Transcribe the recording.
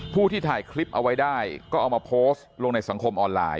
ผู้ที่ถ่ายคลิปเอาไว้ได้ก็เอามาโพสต์ลงในสังคมออนไลน์